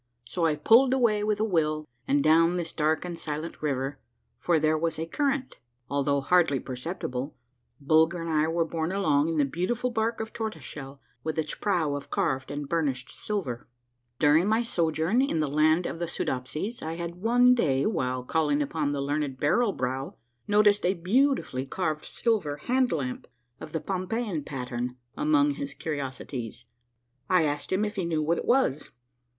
So I pulled away with a will, and down this dark and silent river, for there was a current, although hardly per ceptible, Bulger and I were borne along in the beautiful bark of tortoise shell with its prow of carved and burnished silver. During my sojourn in the Land of the Soodopsies I had one day, while calling upon the learned Barrel Brow, noticed a beauti fully carved silver hand lamp of the Pompeian pattern among his curiosities. I asked him if he knew what it was.